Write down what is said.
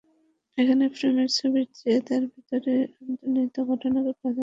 এখানে ফ্রেমের ছবির চেয়ে তার ভেতরের অন্তর্নিহিত ঘটনাকেই প্রাধান্য দিয়েছেন তিনি।